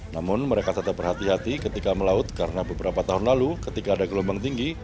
namun mereka tetap berhati hati ketika melaut karena beberapa tahun lalu ketika ada gelombang tinggi